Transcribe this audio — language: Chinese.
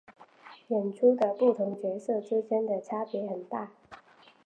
演出的不同角色之间的差别很大。